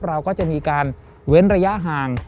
เราก็จะมีการเว้นระยะห่าง